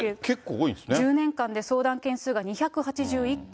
１０年間で相談件数が２８１件。